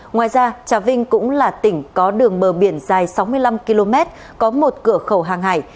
ngoài ra trà vinh cũng là tỉnh có đường bờ biển dài sáu mươi năm km có một cửa khẩu hàng hải